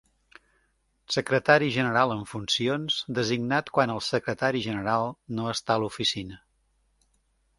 Secretari general en funcions designat quan el secretari general no està a l'oficina.